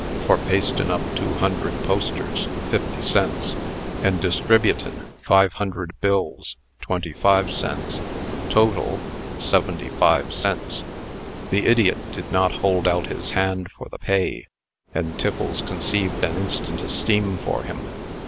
"For pastin' up two hundred posters, fifty cents; and distributin' five hundred bills, twenty five cents. Totale, seventy five cents." The idiot did not hold out his hand for the pay, and Tiffles conceived an instant esteem for him.